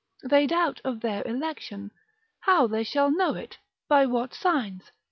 They doubt of their election, how they shall know, it, by what signs.